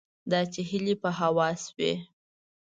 دا چې هیلې په هوا شوې